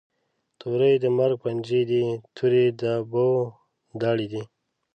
توری د مرګ پنجی دي، توری د بو داړي دي